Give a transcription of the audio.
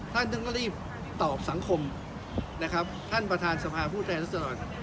ท่านต้องก็รีบตอบสังคมนะครับท่านประธานสภาผู้แทนเลือดสะดอด